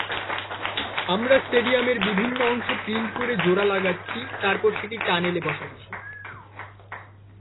আমরা স্টেডিয়ামের বিভিন্ন অংশ প্রিন্ট করে জোড়া লাগাচ্ছি, তারপর সেটি টানেলে বসাচ্ছি।